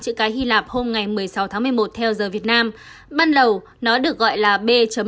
chữ cái hy lạp hôm một mươi sáu tháng một mươi một theo giờ việt nam ban đầu nó được gọi là b một một năm trăm hai mươi chín lần đầu được